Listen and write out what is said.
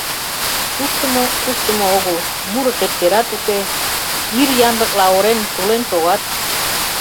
Куштымо — куштымо огыл, муро тептерат уке, ир янлыкла орен, тулен шогат.